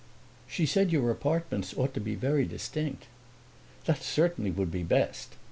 "She said your apartments ought to be very distinct." "That certainly would be best."